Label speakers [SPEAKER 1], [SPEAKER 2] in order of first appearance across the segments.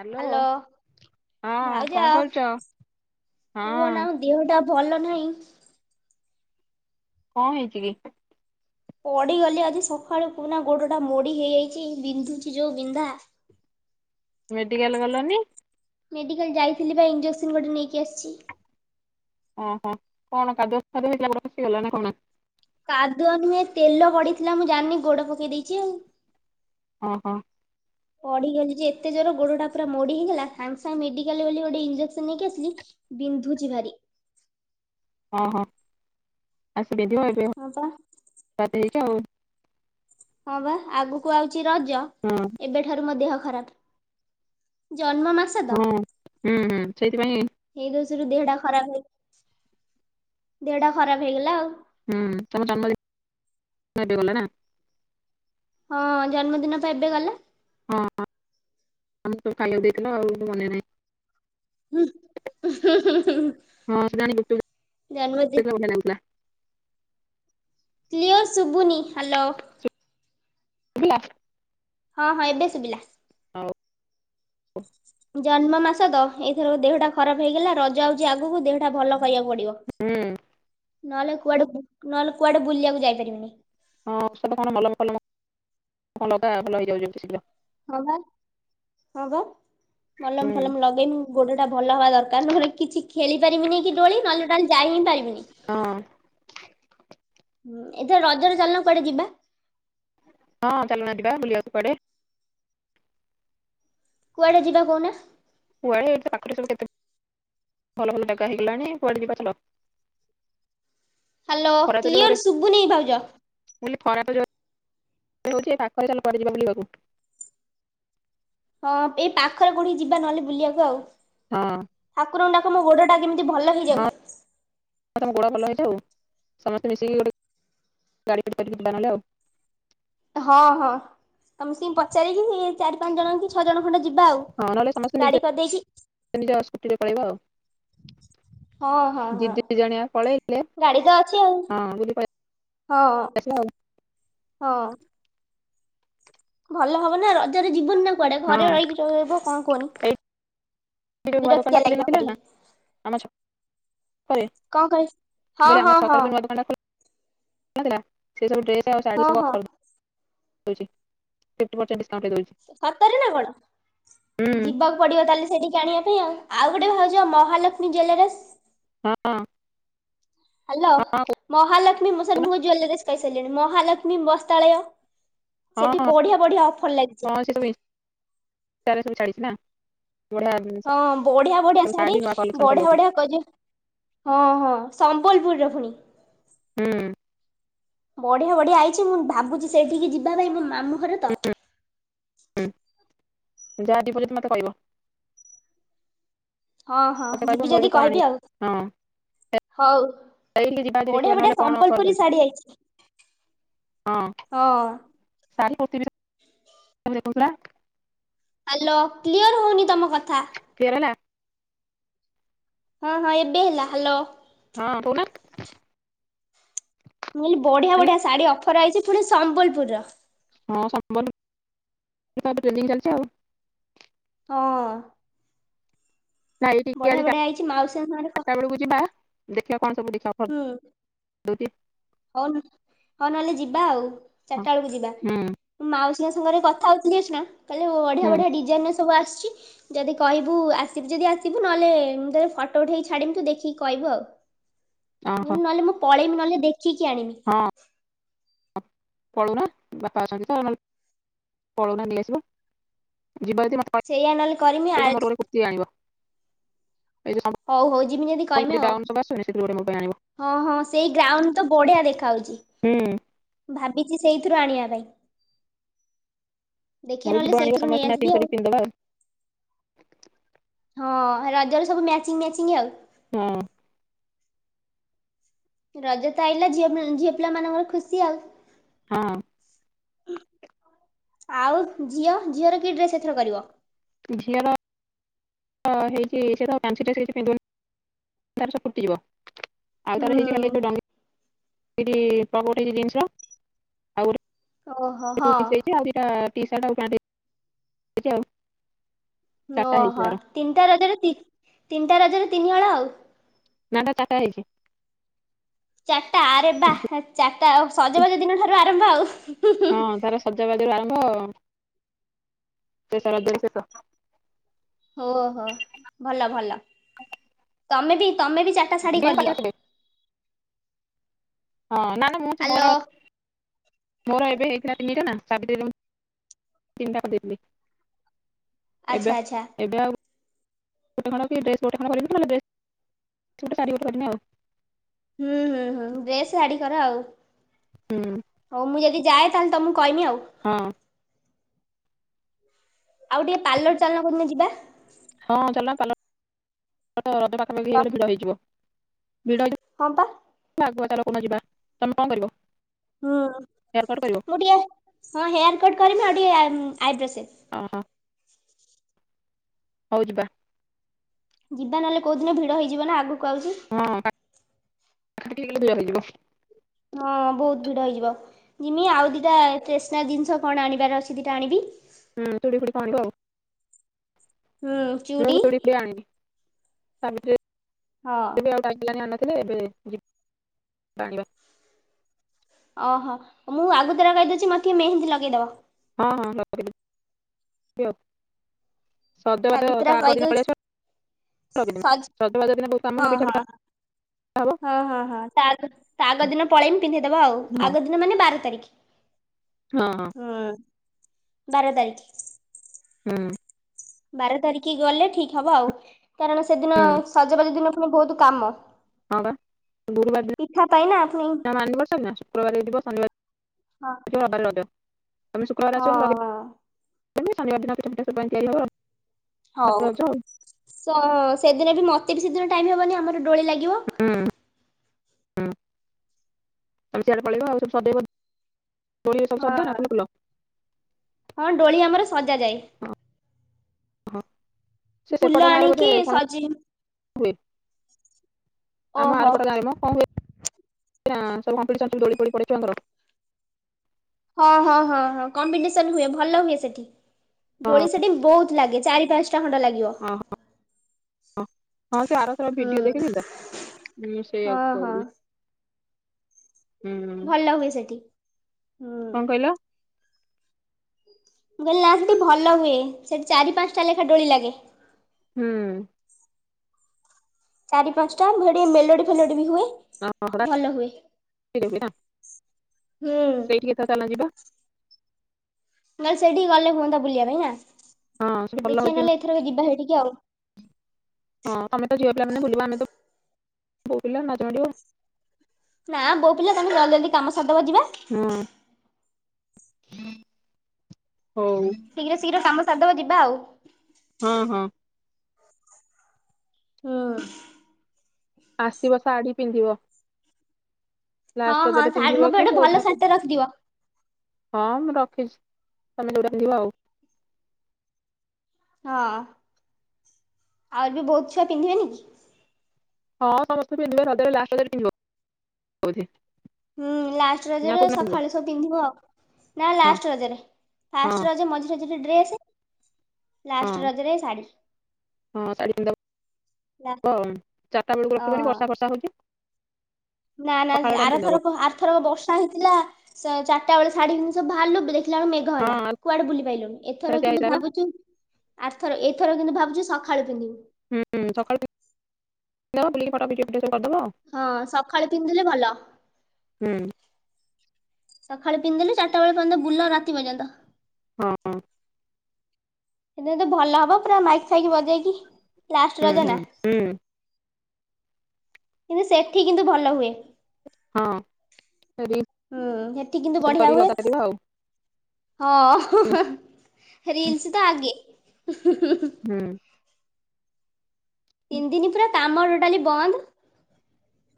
[SPEAKER 1] Hello
[SPEAKER 2] hello
[SPEAKER 1] ହଁ କଣ
[SPEAKER 2] ଭାଉଜ
[SPEAKER 1] କରୁଛ?
[SPEAKER 2] ପୁଅ
[SPEAKER 1] ହଁ
[SPEAKER 2] ନା ଦେହଟା ଭଲ ନାହିଁ।
[SPEAKER 1] କଣ ହେଇଛି କି?
[SPEAKER 2] ପଡିଗଲି ଆଜି ସକାଳୁ ପୁନା ଗୋଡଟା ମୋଡି ହେଇଯାଇଛି, ବିନ୍ଧୁଛି ଯୋଉ ବିନ୍ଧା
[SPEAKER 1] ମେଡ଼ିକାଲ୍ ଗଲନି?
[SPEAKER 2] ମେଡ଼ିକାଲ୍ ଯାଇଥିଲି ପା, ଇଞ୍ଜେକ୍ସନ୍ ଗୋଟେ ନେଇକି ଆସିଛି।
[SPEAKER 1] ଅହ, କଣ କାଦୁଅ ଫାଦୁଅ ହେଇଥିଲା ଗୋଡ ଖସିଗଲା ନା କଣ?
[SPEAKER 2] କାଦୁଅ ନୁହେଁ, ତେଲ ପଡିଥିଲା ମୁଁ ଜାଣିନି ଗୋଡ ପକେଇ ଦେଇଚି ଆଉ।
[SPEAKER 1] ଅ ହ।
[SPEAKER 2] ପଢିଗଲି ଯେ ଏତେ ଜୋରେ ଗୋଡଟା ପୁରା ମୋଡି ହେଇଗଲା, ସାଙ୍ଗ୍ ସାଙ୍ଗ୍ ମେଡିକାଲ କୁ ଗଲି ଗୋଟେ ଇଞ୍ଜେକ୍ ସନ୍ ନେଇକି ଆସିଲି। ବିନ୍ଧୁଛି ଭାରି।
[SPEAKER 1] ଅହ, ଆସିକି [unintelligible]
[SPEAKER 2] ହଁ ପା
[SPEAKER 1] ଆଉ।
[SPEAKER 2] ହଁ ବା, ଆଗକୁ ଆଉଚି ରଜ,
[SPEAKER 1] ହଁ
[SPEAKER 2] ଏବେଠାରୁ ମୋ ଦେହ ଖରାଫ୍। ଜନ୍ମ ମାସ୍
[SPEAKER 1] ହଁ, ହୁଁ-ହୁଁ ସେଇଥିପାଇଁ
[SPEAKER 2] ଏଇ ଦୋଷରୁ ଦେହଟା ଖରାଫ୍ ହେଇଚି, ଦେହଟା ଖରାଫ୍ ହେଇଗଲା ଆଉ।
[SPEAKER 1] ହୁଁ, ତମ ତମ ଜନ୍ମଦିନ ଏବେ ଗଲା ନା?
[SPEAKER 2] ହଁ, ଜନ୍ମଦିନ ପା ଏବେ ଗଲା।
[SPEAKER 1] ହଁ ହଁ, ଆମକୁ ତମେ ଖାଇବାକୁ ଦେଇଥିଲ ଆଉ ମନେ ନାହିଁ।
[SPEAKER 2] ହୁଁ, ହୁଁ ହୁ ହୁ,
[SPEAKER 1] ହଁ ଜାଣି ଗୁପଚୁପ
[SPEAKER 2] ଜନ୍ମଦିନ୍
[SPEAKER 1] [unintelligible]
[SPEAKER 2] କ୍ଲିଅର ଶୁବୁନି, ହାଲୋ।
[SPEAKER 1] ଶୁବିଲା?
[SPEAKER 2] ହଁ ହଁ ଏବେ ଶୁବିଲା।
[SPEAKER 1] ହଉ
[SPEAKER 2] ଜନ୍ମ ମାସ ତ, ଏଇଥରକ ଦେହଟା ଖରାପ ହେଇଗଲା, ରଜ ଆଉଚି ଆଗକୁ, ଦେହ ଭଲ କରିବାକୁ ପଡିବ,
[SPEAKER 1] ହୁଁ
[SPEAKER 2] ନହେଲେ କୁଆଡେ, ନହେଲେ କୁଆଡେ ବୁଲିବାକୁ ଯାଇପାରିବିନି।
[SPEAKER 1] ହଁ, ଔଷଧ କଣ ମଲମ ଫଲମ କଣ ଲଗା, ଭଲ ହେଇଯାଉ ଯେମିତି ଶୀଘ୍ର।
[SPEAKER 2] ହଁ ବା, ହଁ ବା,
[SPEAKER 1] ହୁଁ
[SPEAKER 2] ଭଲମ ଭଲ ଲଗେଇମି ଗୋଡ଼ଟା ଭଲ ହବା ଦରକାର, ନହେଲେ କିଛି ଖେଳି ପାରିବିନି କି ଦୋଳି, ନହେଲେ ଟୋଟାଲ ଯାଇ ହିଁ ପାରିବିନି।
[SPEAKER 1] ହଁ ଅ
[SPEAKER 2] ହୁଁ, ଏଥରେ ରଜର ଚାଲୁନ କୁଆଡେ ଯିବା?
[SPEAKER 1] ହଁ, ଚାଲୁନ ଯିବା ବୁଲିବାକୁ କୁଆଡେ?
[SPEAKER 2] କୁଆଡେ ଯିବା କହୁନ?
[SPEAKER 1] କୁଆଡେ, ଏ ତ ପାଖରେ ସବୁ କେତେ ଭଲ ଭଲ ଜାଗା ହେଇଗଲାଣି, କୁଆଡେ ଯିବା ଚାଲ?
[SPEAKER 2] ହାଲୋ,
[SPEAKER 1] ଖରା ତ ଜୋରେ
[SPEAKER 2] କ୍ଲିଅର ଶୁବୁନେଇ ଭାଉଜ?
[SPEAKER 1] ମୁଁ କହିଲି ଖରା ତ [unintelligible] ବୁଲିବାକୁ?
[SPEAKER 2] ହଁ, ଏଇ ପାଖରେ କଉଠିକି ଯିବା ନହେଲେ ବୁଲିବାକୁ ଆଉ।
[SPEAKER 1] ହଁ।
[SPEAKER 2] ଠାକୁରଙ୍କୁ ଡାକ ମୋ ଗୋଡ ଟା କେମିତି ଭଲ ହେଇଯାଉ।
[SPEAKER 1] ହଁ ତମ ଗୋଡ଼ ଭଲ ହେଇଯାଉ, ସମସ୍ତେ ମିଶିକି ଗୋଟେ ଗାଡ଼ିଫାଡ଼ି କରିକି ଯିବା ନହେଲେ ଆଉ।
[SPEAKER 2] ହଁ ହଁ, ସମସ୍ତିଙ୍କି ପଚାରିକି ଚାରି ପାଞ୍ଚ ଜଣ କି ଛଅ ଜଣ ଖଣ୍ଡେ ଯିବା ଆଉ।
[SPEAKER 1] ହଁ ନହେଲେ ସମସ୍ତେ
[SPEAKER 2] ଗାଡି
[SPEAKER 1] ନିଜ,
[SPEAKER 2] କରିଦେଇକି
[SPEAKER 1] ନିଜ ସ୍କୁଟିରେ ପଳେଇବା ଆଉ।
[SPEAKER 2] [unintelligible] ହଁ ହଁ
[SPEAKER 1] ଦି
[SPEAKER 2] ହଁ
[SPEAKER 1] ଦି ଜଣିଆ ପଳେଇଲେ
[SPEAKER 2] ଗାଡି ତ ଅଛି ଆଉ।
[SPEAKER 1] ହଁ ବୁଲି ପଳେଇ
[SPEAKER 2] ହଁ
[SPEAKER 1] ଆସିବା ଆଉ
[SPEAKER 2] ହଁ। ଭଲ ହବ ନା, ରଜ ରେ ଯିବୁନି ନା କୁଆଡେ?
[SPEAKER 1] ହଁ
[SPEAKER 2] ଘରେ ରହିକି ରହିବ କଣ କୁହନି?
[SPEAKER 1] କି ଯୋଉ ନୂଆ ଦୋକାନ୍
[SPEAKER 2] ବିରକ୍ତିଆ
[SPEAKER 1] ଟା ଖୋଲି
[SPEAKER 2] ଲାଗିବ
[SPEAKER 1] ନଥିଲା
[SPEAKER 2] ଭାରି।
[SPEAKER 1] ନା ଆମ ଛକରେ?
[SPEAKER 2] କଁ କଇସ୍
[SPEAKER 1] ମୁଁ କଇଲି ଆମ ଛକରେ ଯୋଉ ନୂଆ ଦୋକାନଟା ଖୋଲ ନ ଥିଲା ସିଏ ସବୁ ଡ୍ରେସ୍ ଆଉ ଶାଢ଼ୀ
[SPEAKER 2] ହଁ
[SPEAKER 1] ସବୁ
[SPEAKER 2] ହଁ
[SPEAKER 1] ଅଫର୍ ଦୋଉ ଦୋଉଚି ଫିଫ୍ଟି ପରସେଣ୍ଟ ଡିସ୍କାଉଣ୍ଟ ରେ ଦୋଉଛି ହେଲା।
[SPEAKER 2] ସତରେ ନା କଣ?
[SPEAKER 1] ହୁଁ
[SPEAKER 2] ଯିବାକୁ ପଡିବ ତାହେଲେ ସେଇଠିକି ଆଣିବା ପାଇଁ ଆଉ। ଆଉ ଗୋଟେ ଭାଉଜ ମହାଲକ୍ଷ୍ମୀ ଜୁଏଲରେସ୍
[SPEAKER 1] ହଁ।
[SPEAKER 2] ହାଲୋ
[SPEAKER 1] ହଁ
[SPEAKER 2] ମହାଲକ୍ଷ୍ମୀ ମୁଁ ସରି
[SPEAKER 1] କହୁନ
[SPEAKER 2] ମୁଁ ଜୁଏଲେରେସ୍ କହିସାରିଲିଣି ମହାଲକ୍ଷ୍ମୀ ବସ୍ତାଳୟ।
[SPEAKER 1] ହଁ
[SPEAKER 2] ସେଠି
[SPEAKER 1] ହଁ
[SPEAKER 2] ବଢିଆ ବଢିଆ ଅଫର୍ ଲାଗିଚି।
[SPEAKER 1] ଚାରା ସବୁ ଛାଡିଚି ନା? ବଢିଆ
[SPEAKER 2] ହଁ ବଢିଆ ବଢିଆ ଶାଢୀ
[SPEAKER 1] ନୂଆ କଲେକ୍ସନ ସବୁ
[SPEAKER 2] ବଢିଆ
[SPEAKER 1] ରଖୁଛି
[SPEAKER 2] ବଢିଆ କ ଯୋଉ ହଁ ହଁ ସମ୍ବଲପୁରୀର ଫୁଣି।
[SPEAKER 1] ହୁଁ।
[SPEAKER 2] ବଢିଆ ବଢିଆ ଆଇଚି ମୁଁ ଭାବୁଚି ସେଇଠିକି ଯିବା ପାଇଁ ମୋ ମାମୁ ଘରେ ତ।
[SPEAKER 1] ହୁଁ ଯାଅ ଯିବ ଜଦି ମତେ କଇବ।
[SPEAKER 2] ହଁ ହଁ
[SPEAKER 1] ମତେ କହିବ
[SPEAKER 2] ଯିବି
[SPEAKER 1] ମୋର
[SPEAKER 2] ଯଦି
[SPEAKER 1] ବି କଣ
[SPEAKER 2] କହିବି
[SPEAKER 1] ଆଣିବ
[SPEAKER 2] ଆଉ।
[SPEAKER 1] ହଁ
[SPEAKER 2] ହୋଉ
[SPEAKER 1] ସେଇଠିକି ଯିବା ଆଜି
[SPEAKER 2] ବଢିଆ
[SPEAKER 1] ଦେଖିବା
[SPEAKER 2] ବଢିଆ
[SPEAKER 1] ନହେଲେ କଣ ଅଫର
[SPEAKER 2] ସମ୍ବଲପୁରୀ
[SPEAKER 1] ଦଉଛି
[SPEAKER 2] ଶାଢୀ ଆଇଚି। ହଁ।
[SPEAKER 1] ତାରିଖ ତିରିଶି ତାରିଖି ଦେଖୋଉଥିଲା।
[SPEAKER 2] ହାଲୋ କ୍ଲିଅର ହୋଉନି ତମ କ
[SPEAKER 1] କ୍ଳିଅର ହେଲା?
[SPEAKER 2] ହଁ ହଁ ଏବେ ହେଲା। ହାଲୋ
[SPEAKER 1] ହଁ କୋଉନା?
[SPEAKER 2] ମୁଁ କଇଲି ବଢିଆ
[SPEAKER 1] ହେଲା
[SPEAKER 2] ବଢିଆ ଶାଢୀ ଅଫର୍ ଆଇଚି ଫୁଣି ସମ୍ବଲପୁରୀ ର।
[SPEAKER 1] ହଁ ସମ୍ବଲପୁରୀ ର ଏବେ ଟ୍ରେଡିଙ୍ଗ ଚାଲ୍ଛି ଆଉ।
[SPEAKER 2] ଅଁଆ।
[SPEAKER 1] ନାଇଁ ଟିକେ ଆଜି ଚା
[SPEAKER 2] ବଢିଆ ହେଇଛି ମାଉସୀ ସାଙ୍ଗରେ କ-
[SPEAKER 1] ଚାର୍ଟା ବେଳୁକୁ ଯିବା ଦେଖିବା କଣ ସବୁ ଦେଖିବା ଡିଶପ
[SPEAKER 2] ହୁଁ ହୁଁ।
[SPEAKER 1] ଦୁଇତି।
[SPEAKER 2] ହୋଉ ହୋଉ ନହେଲେ ଯିବା ଆଉ
[SPEAKER 1] ହଁ
[SPEAKER 2] ଚାର୍ଟା ଏଳୁକୁ ଯିବା।
[SPEAKER 1] ହୁଁ
[SPEAKER 2] ମାଉସୀଙ୍କ ସାଙ୍ଗରେ କଥା ହୋଉଥିଲି ଏଇ ଶୁଣା, କଇଲେ ବଢ଼ିଆ
[SPEAKER 1] ହୁଁ
[SPEAKER 2] ବଢ଼ିଆ ଡିଜାଇନ୍ ର ସବୁ ଆସିଛି। ଯଦି କହିବୁ ଆସିବି ଯଦି ଆସିବୁ ନହେଲେ ମୁଁ ତତେ ଫଟ ଉଠେଇକି ଛାଡିମି ତୁ ଦେଖିକି କଇବୁ ଆଉ।
[SPEAKER 1] ଓହୋ
[SPEAKER 2] ମୁଁ ନଲେ ମୁଁ ପଳେଇବି ନହେଲେ ଦେଖିକି ଆଣିମି।
[SPEAKER 1] ପଳୋଉନା ବାପା ଅଛନ୍ତି ତ ନ ହେଲେ ପଳୋଉନା ନେଇ ଆସିବ ଯିବ ଯଦି ମତେ
[SPEAKER 2] ସେଇଆା ନହେଲେ କରିମି ଆଜ୍
[SPEAKER 1] କିଏ ଆଣିବ ଏ ଯୋଉ ଶମ୍ଭୁ
[SPEAKER 2] ହୋଉ ହୋଉ ଯିମି ଯଦି କଇମି ଆଉ।
[SPEAKER 1] ମୋ ପାଇଁ ଆଣିବ।
[SPEAKER 2] ହଁ ହଁ ସେଇ ଗ୍ରାଉନ୍ ତ ବଢିଆ ଦେଖା ହୋଉଚି।
[SPEAKER 1] ହୁଁ।
[SPEAKER 2] ଭାବିଚି ସେଇଥୁରୁ ଆଣିଆ ପାଇଁ। ଦେଖେ
[SPEAKER 1] ମୁଁ
[SPEAKER 2] ନହେଲେ
[SPEAKER 1] ଯିବ ଆଣିବ
[SPEAKER 2] ସେଇଥୁରୁ
[SPEAKER 1] ସମସ୍ତେ
[SPEAKER 2] ନେଇଆସିବି
[SPEAKER 1] ମ୍ୟାଚିଂ
[SPEAKER 2] ଆଉ।
[SPEAKER 1] କରିକି ପିନ୍ଧିଦବା
[SPEAKER 2] ହଁ ରଜ ରେ ସବୁ ମ୍ୟାଚିଂ ମ୍ୟାଚିଂ ଆଉ।
[SPEAKER 1] ହୁଁ।
[SPEAKER 2] ରଜ ତ ଆଇଲା ଝିଅମିଲ ଝିଅ ପିଲା ମାନଙ୍କର ଖୁସି ଆଉ।
[SPEAKER 1] ହଁ।
[SPEAKER 2] ଉ ଆଉ ଝିଅ ଝିଅର କି ଡ୍ରେସ୍ ଏଥର କରିବ?
[SPEAKER 1] ଝିଅର ଝିଅର ହେଇଚି ସେ ତ ପାଣ୍ ସଟା ସେଛି ପିନ୍ଧୁନି ତାାର ସ ଫୁଟିଯିବ। ଆଉ
[SPEAKER 2] ହୁଁ
[SPEAKER 1] ତାର ହେଇଛି ଖାଲି ଡନି ପକୋଠେଇଛି ଜିନିଷ।
[SPEAKER 2] ଓହ।
[SPEAKER 1] ଉଟି ସେଇଟି ଆଉ ଟିଇସାଟ ଆଉ ପ୍ୟାଣ୍ଟ ହେଇଚି ଆଉ। ଚାରିଟା ହେଇଛି
[SPEAKER 2] ଓହୋ
[SPEAKER 1] ତାର
[SPEAKER 2] ତିନିଟା ରଜରେ ତିନ ତିନିଟା ରଜରେ ତିନିହଳା ଆଉ।
[SPEAKER 1] ନା ତାର ଚାରଟା ହେଇଚି।
[SPEAKER 2] ଚାରଟା ଆରେ ବା ଚାରଟା ଆଉ ସଜବାଜ ଦିନ ଠାରୁ ଆରମ୍ଭ ଆଉ।
[SPEAKER 1] ହଁ ତାର ସଜାବାଜ ରୁ ଆରମ୍ଭ ଆଉ। ସେ ସାରା ଡ୍ରେସ ତ।
[SPEAKER 2] ଓହୋ ଭଲ ଭଲ।
[SPEAKER 1] ଖ
[SPEAKER 2] ତମେ ବି ତମେ ବି ଚାରଟା ଶାଢ଼ୀ କରଦିଅ।
[SPEAKER 1] ହଁ ନା ନା ମୁଁ
[SPEAKER 2] ହ୍ୟାଲୋ
[SPEAKER 1] ମୋର ମୋର ଏବେ ହେଇଥିଲାତିନିଟା ନା ସାବିତ୍ରୀରେ ତିନଟା କଦେଇଥିଲି।
[SPEAKER 2] ଆଚ୍ଛା ଆଚ୍ଛା
[SPEAKER 1] ଗୋଟେହଳ କି ଡ୍ରେସ ଗୋଟେ ହଳ କରିବି ନଲେ ଡ୍ରେସ୍ ଗୋଟେ ଶାଢ଼ୀ କରିମି ଆଉ।
[SPEAKER 2] ହୁଁ ହୁଁ ହୁଁ ଡ୍ରେସ ଶାଢ଼ୀ କର ଆଉ।
[SPEAKER 1] ହୁଁ।
[SPEAKER 2] ହଉ ମୁଁ ଯଦି ଯାଏ ତାହେଲେ ତ ମୁଁ କଇମି ଆଉ।
[SPEAKER 1] ହଁ।
[SPEAKER 2] ଆଉ ଟିକେ ପାର୍ଲର ଚାଲୁନ କୋଉଦିନ ଯିବା?
[SPEAKER 1] ହଁ ଚାଲ ପାଲର ରଜ ପାଖପାଖି ହେଇଗଲେ ଭିଡ଼ ହେଇଯିବ। ଭିଡ଼
[SPEAKER 2] ହଁ ପା
[SPEAKER 1] ଭାଗିବ ତ ଆଗୁଆ ଚାଲ କୋଉଦିନ ଯିବା। ତମେ କଣ କରିବ?
[SPEAKER 2] ହୁଁ
[SPEAKER 1] ହେୟାର କଟ୍ କରିବ
[SPEAKER 2] ମୁଁ ଟିକେ ହଁ ହେୟାର କଟ୍ କରିମି ଆଉ ଟିକେ ଆଇବ୍ରୋ ସେଫ।
[SPEAKER 1] ଅହ। ହୋଉ ଯିବା।
[SPEAKER 2] ଯିବା ନହେଲେ କୋଉ ଦିନ ଭିଡ ହେଇଯିବ ନା ଆଗକୁ ଆଉଚି।
[SPEAKER 1] ହଁ ପାଖାପାଖି ହେଈଗଲେ ଭିଡ଼ ହେଇଯିବ।
[SPEAKER 2] ହଁ ବହୁତ ଭିଡ ହେଇଯିବ। ଜିମି ଆଉ ଦିଟା ଟେସନାରି ଜିନିଷ କଣ ଆଣିବାର ଅଛି ଦିଟା ଆଣିବି।
[SPEAKER 1] ହୁଁ ଚୁଡ଼ି ଫୁଡ଼ି କଣ ଆଣିବ ଆଉ।
[SPEAKER 2] ହୁଁ।
[SPEAKER 1] ମୁଁ ଚୁଡ଼ି ଫୁଡ଼ି ଆଣିବି ସାବିତ୍ରୀ
[SPEAKER 2] ହଁ।
[SPEAKER 1] ଆଉ ଟାଙ୍ଗିଲାଣି ନଥିଲେ ଏବେ ଯିବା ଆଣିବା।
[SPEAKER 2] ଅ ହ ମୁଁ ଆଗତୁରା କହିଦୋଉଚି ମତେ ଟିକେ ମେହେନ୍ଦୀ ଲଗେଇଦବ।
[SPEAKER 1] ହଁ ହଁ ଲଗେଇଦେବି ଆଉ। ସଜବାଜ
[SPEAKER 2] ଆଗୁତୁରା
[SPEAKER 1] ତା ଆଗ ଦିନ
[SPEAKER 2] କହିଦଉଛି
[SPEAKER 1] ପଳିଆସିବ ଲଗେଇଦେମୀ।
[SPEAKER 2] ସଜ
[SPEAKER 1] ସଜବାଦ ଦିନ ବୋହୁତ କାମ
[SPEAKER 2] ହଁ
[SPEAKER 1] ନା ପିଠା
[SPEAKER 2] ହଁ
[SPEAKER 1] ଫିଟା
[SPEAKER 2] ହଁ ହଁ ହଁ ତା ଆଗ ତା ଆଗ ଦିନ ପଳେଇମି ପିନ୍ଧେଇଦବ ଆଉ।
[SPEAKER 1] ହଁ
[SPEAKER 2] ଆଗ ଦି ନା ମାନେ ବାର ତାରିଖ।
[SPEAKER 1] ହଁ।
[SPEAKER 2] ହୁଁ ବାର ତାରିଖ।
[SPEAKER 1] ହୁଁ।
[SPEAKER 2] ବାର ତାରିକ ଗଲେ ଠିକ ହବ ଆଉ କାରଣ ସେଦିନ
[SPEAKER 1] ହୁଁ
[SPEAKER 2] ସଜବାଜ ଦିନ ପୁଣି ବହୁତ କାମ।
[SPEAKER 1] ହଁ ବା ଗୁରୁବାର ଦି
[SPEAKER 2] ପିଠା ପାଇଁ ନା ଏଥିପାଇଁ
[SPEAKER 1] ତାର ଆନିଭରସରି ନା ଶୁକ୍ରବାର ଦିବ ଶନିବାର
[SPEAKER 2] ହଁ
[SPEAKER 1] ସେ ରବିବାର ନବ ତମେ ଶୁକ୍ରବାର ଆସିବ
[SPEAKER 2] ହଁ
[SPEAKER 1] [inaudible] ଶନିବାର ଦିନ ପିଠା ଫିଠା ସବୁ ତିଆରି ହବ। ରବିବାର
[SPEAKER 2] ହଉ
[SPEAKER 1] ତ ରଜ ଆଉ
[SPEAKER 2] ତ ସେଦିନ ବି ମତେ ବି ସେଦିନ ଟାଇମ ହବନି ଆମର ଡୋଳି ଲାଗିବ।
[SPEAKER 1] ହୁଁ ହୁଁ ତମେ ସିଆଡେ ପଳେଇବ ଆଉ ସବୁ ସଜେଇବ ଦୋଳିରେ ସବୁ
[SPEAKER 2] ହଁ
[SPEAKER 1] ସଜା ନା ଫୁଲ ପୁଲ?
[SPEAKER 2] ହଁ ଡୋଳି ଆମର ସଜାଯାଏ।
[SPEAKER 1] ଓହୋ ସେ ସେପଟ
[SPEAKER 2] ପୁଲ
[SPEAKER 1] ଗାଁରେ ବୋଧେ
[SPEAKER 2] ଆଣିକି
[SPEAKER 1] କଣ
[SPEAKER 2] ସଜେଇବୁ।
[SPEAKER 1] ହୁଏ ଆମ
[SPEAKER 2] ଓହୋ
[SPEAKER 1] ଆରପଟ ଗାଁ ରେ ମ କଁ ହୁଏ? ହଁ ସବୁ କମ୍ପିଟିସନ ଦୋଳି ଫୋଳି ପଡେ ଛୁଆଙ୍କର।
[SPEAKER 2] ହଁ ହଁ ହଁ ହଁ କମ୍ପିଟିସନ ହୁଏ ଭଲ ହୁଏ ସେଠି
[SPEAKER 1] ହଁ
[SPEAKER 2] ଡୋଳି ସେଠି ବହୁତ ଲାଗେ ଚାରି ପାଞ୍ଚଟା ଖଣ୍ଡ ଲାଗେ।
[SPEAKER 1] ଅଁ ହଁ। ଅଁ ହଁ ସେ ଆରଥର
[SPEAKER 2] ହୁଁ
[SPEAKER 1] ଭିଡିଓ ଦେଖଥିଲ ତ ମୁଁ
[SPEAKER 2] ହଁ
[SPEAKER 1] ସେଇଆକୁ
[SPEAKER 2] ହଁ।
[SPEAKER 1] କଇଲି।
[SPEAKER 2] ଭଲ ହୁଏ ସେଠି। ହୁଁ।
[SPEAKER 1] କଣ କଇଲ?
[SPEAKER 2] ମୁଁ କଇଲି ନା ସେଠି ଭଲ ହୁଏ ସେଠି ଚାରି ପାଞ୍ଚଟା ଲେଖା ଡୋଳି ଲାଗେ।
[SPEAKER 1] ହୁଁ।
[SPEAKER 2] ଚାରି ପାଞ୍ଚଟା ସେଠି ମେଲୋଡି ଫେଲୋଡି ବି ହୁଏ। ଭଲ ହୁଏ
[SPEAKER 1] [unintelligible]
[SPEAKER 2] ହୁଁ।
[SPEAKER 1] ତ ଚାଲୁନ ଯିବା।
[SPEAKER 2] ନହେଲେ ସେଇଠିକି ଗଲେ ହୁଅନ୍ତା ବୁଲିବା ପାଇଁ ନା,
[SPEAKER 1] ହଁ ସେଠି ଭଲ
[SPEAKER 2] ଦେଖିଆ
[SPEAKER 1] ହଉଛି
[SPEAKER 2] ନହେଲେ ଏଥର ଯିବା ସେଇଠିକି ଆଉ।
[SPEAKER 1] ହଁ ତମେ ତ ଝିଅ ପିଲାମାନେ ବୁଲିବ, ଆମେ ତ ବୋଉ ପିଲା ନାଜ ମାଡ଼ିବ।
[SPEAKER 2] ନା ବୋଉପିଲା ତମେ ଜଲ୍ଦି ଜଲ୍ଦି କାମ ସାରିଦବ ଯିବା।
[SPEAKER 1] ହୁଁ ହଉ।
[SPEAKER 2] ଶୀଘ୍ର ଶୀଘ୍ର କାମ ସାରିଦବ ଯିବା ଆଉ।
[SPEAKER 1] ହୁଁ ହୁଁ।
[SPEAKER 2] ଓ [unintelligible]
[SPEAKER 1] ଆସିବ ଶାଢ଼ୀ ପିନ୍ଧିବ।
[SPEAKER 2] ହଁ
[SPEAKER 1] ଲାଷ୍ଟ
[SPEAKER 2] ହଁ
[SPEAKER 1] ରଜରେ
[SPEAKER 2] ଶାଢ଼ୀ ମୋ
[SPEAKER 1] ପିନ୍ଧିବ
[SPEAKER 2] ପାଇଁ
[SPEAKER 1] କି
[SPEAKER 2] ଗୋଟେ
[SPEAKER 1] କୋଉ
[SPEAKER 2] ଭଲ
[SPEAKER 1] ଦିନ ପି
[SPEAKER 2] ଶାଢ଼ୀଟେ ରଖିଥିବ।
[SPEAKER 1] ହଁ ମୁଁ ରଖିଛି ତମେ ଯୋଉଟା ପିନ୍ଧିବ ଆଉ।
[SPEAKER 2] ହଁ ଆଉରି ବି ବହୁତ ଛୁଆ ପିନ୍ଧିବେନି କି?
[SPEAKER 1] ହଁ ସମସ୍ତେ ପିନ୍ଧିବେ ରଜରେ ଲାଷ୍ଟ ରଜରେ ପିନ୍ଧିବେ ବୋଧେ।
[SPEAKER 2] ହୁଁ ଲାଷ୍ଟ
[SPEAKER 1] ନା
[SPEAKER 2] ରଜରେ
[SPEAKER 1] କୋଉଦିନ ପିନ୍ଧିବ
[SPEAKER 2] ସଖାଳେ ପିନ୍ଧିବ ନା
[SPEAKER 1] ହଁ
[SPEAKER 2] ଲାଷ୍ଟ ରଜରେ
[SPEAKER 1] ହଁ
[SPEAKER 2] ଫାଷ୍ଟ ରଜ ମଝିରେ ଯ ଡ୍ରେସେ
[SPEAKER 1] ହଁ
[SPEAKER 2] ଲାଷ୍ଟ ରଜରେ ଶାଢୀ।
[SPEAKER 1] ହଁ ଶାଢ଼ୀ ପିନ୍ଧା ବ ଚାରିଟା ବେଳକୁ
[SPEAKER 2] ଅ
[SPEAKER 1] ରଖିବନି ବର୍ଷା ଫର୍ଷା ହଉଚି।
[SPEAKER 2] ନା ନା ଆରଥରକ ଆରଥରକ ବର୍ଷ ବର୍ଷା ହଉଥିଲା ସ ଚାରିଟା ବେଳେ ଶାଢୀ ପିନ୍ଧି ସବୁ ବାହାରଲୁ ଦେଖିଲା ବେଳୁ ମେ ମେଘ
[SPEAKER 1] ହଁ
[SPEAKER 2] ହେଲା
[SPEAKER 1] ଆଉ
[SPEAKER 2] କୁଆଡ଼େ ବୁଲି ପାଇଲୁନି
[SPEAKER 1] ଥରେ
[SPEAKER 2] ଏଥର
[SPEAKER 1] ସେଇଆ
[SPEAKER 2] କିନ୍ତୁ
[SPEAKER 1] ହେଇଥିଲା ବା
[SPEAKER 2] ଭାବୁଚୁ ଆରଥର ଏଇଥର କିନ୍ତୁ ଭାବୁଛି ସକାଳୁ ପିନ୍ଧିମି।
[SPEAKER 1] ହୁଁ ସକାଳୁ [inaudible] ଫଟୋ ଭିଡିଓ ଫିଡ଼ିଓ ସବୁ କରିଦବ।
[SPEAKER 2] ହଁ ସକାଳେ ପିନ୍ଧିଲେ ଭଲ।
[SPEAKER 1] ହୁଁ।
[SPEAKER 2] ସକାଳେ ପିନ୍ଧିଲେ ଚାରଟା ବେଳ ପଯ୍ୟନ୍ତ ବୁଲ ରାତି ପର୍ଯ୍ୟନ୍ତ।
[SPEAKER 1] ହଁ।
[SPEAKER 2] ସେ ଦିନ ତ ଭଲ ହବ ପୁରା ମାଇକ ଫାଇକ ବଜେଇକି ଲାଷ୍ଟ
[SPEAKER 1] ହୁଁ
[SPEAKER 2] ରଜ ନା।
[SPEAKER 1] ହୁଁ ହୁଁ
[SPEAKER 2] କିନ୍ତୁ ସେଠି କିନ୍ତୁ ଭଲ ହୁଏ।
[SPEAKER 1] ହଁ ସେ ବି।
[SPEAKER 2] ହୁଁ ହେଠି କିନ୍ତୁ ବଢିଆ ହୁଏ।
[SPEAKER 1] ଆଉ
[SPEAKER 2] ହଁ ରିିଲ୍ସ ତ ଆଗେ ଉଁ ହୁଁ ହୁଁ ହୁଁ।
[SPEAKER 1] ହୁଁ।
[SPEAKER 2] ତିନି ଦିନ ପୁରା କାମ ଟୋଟାଲି ବନ୍ଦ।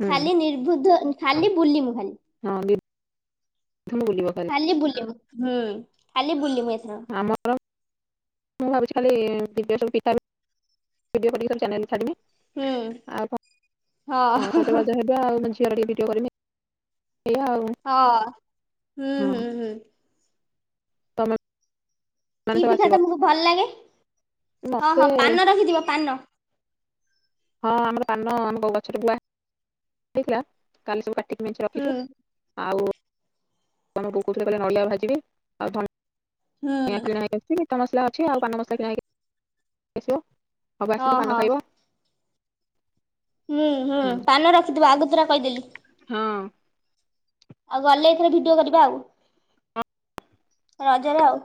[SPEAKER 1] ହୁଁ
[SPEAKER 2] ଖାଲି ନିର୍ବୁଦ୍ଧ ଖାଲି ବୁଲିମୁ ଖାଲି।
[SPEAKER 1] ହଁ ଦି [unintelligible] ବୁଲିବ [unintelligible]
[SPEAKER 2] ଖାଲି ବୁଲିମୁ। ହୁଁ ଖାଲି ବୁଲିମୁ ଏଥର।
[SPEAKER 1] ଆମର। ମୁଁ ଭାବୁଛି ଖାଲି ଭିଡ଼ିଓ ସବୁ ପିଠା ଭିଡ଼ିଓ କରିକି ସବୁ ଚ୍ୟାନେଲରେ ଛାଡ଼ିମି।
[SPEAKER 2] ହୁଁ
[SPEAKER 1] ଆଉ କଣ ହଁ ସଜବାଜ ହେ [unintelligible] ଆଉ ମୋ ଝିଅର ଟିକେ ଭିଡିଓ କରିମି ଏୟା ଆଉ।
[SPEAKER 2] ହଁ ହୁଁ ହୁଁ ହୁଁ।
[SPEAKER 1] ତମ
[SPEAKER 2] କି ପିଠା ତମକୁ ଭଲ ଲାଗେ? ହଁ
[SPEAKER 1] ମତେ
[SPEAKER 2] ହଁ ପାନ ରଖିଥିବ ପାନ।
[SPEAKER 1] ହଁ ଆମର ପାନ ଆମ ଗ-ଗଛରେ ପୁରା। ହେଇଥିଲା କାଲି ସବୁ କାଟିକି ମେଞ୍ଚେ
[SPEAKER 2] ହୁଁ
[SPEAKER 1] ରଖିଛୁ ଆଉ। ଏ ଆମ ବୋଉ କହୁଥିଲେ କାଲି ନଡ଼ିଆ ଭାଜିବେ ଆଉ
[SPEAKER 2] ହୁଁ।
[SPEAKER 1] ଧନିଆ କିଣା ହେ ମିଠା ମସଲା ଅଛି ଆଉ ପାନ ମସଲା କିଣା ହେଇକି ଆସିବ ସବୁ ଆସିବ
[SPEAKER 2] ଓହୋ
[SPEAKER 1] ପାନ ଖାଇବ।
[SPEAKER 2] ହୁଁ ହୁଁ ପାନ ରଖିଥିବ ଆଗତୁରା କହିଦେଲି।
[SPEAKER 1] ହଁ।
[SPEAKER 2] ଆଉ ଗଲେ ଏଥର ଭିଡିଓ କରିବା ଆଉ। ରଜରେ ଆଉ।